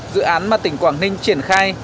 dự án mà tỉnh quảng ninh triển khai